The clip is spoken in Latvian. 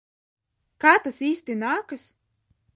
Kā tas īsti nākas?